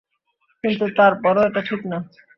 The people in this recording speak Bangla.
কিন্তু তারপরও এটা ঠিক না।